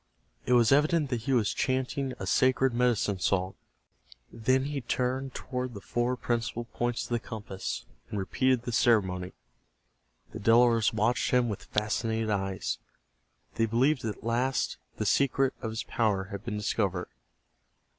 It was evident that he was chanting a sacred medicine song. Then he turned toward the four principal points of the compass, and repeated the ceremony. The Delawares watched him with fascinated eyes. They believed that at last the secret of his power had been discovered.